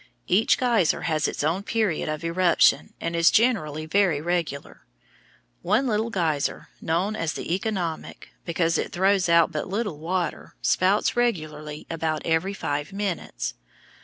Each geyser has its own period of eruption and is generally very regular. One little geyser, known as the Economic, because it throws out but little water, spouts regularly about every five minutes.